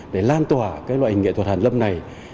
để lan tỏa loại nghệ thuật hàn lâm này